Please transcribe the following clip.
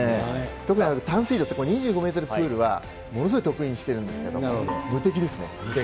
特に短水路って２５メートルプールはものすごい得意にしているん無敵ですね。